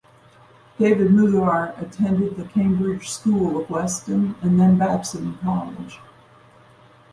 David Mugar attended the Cambridge School of Weston, and then Babson College.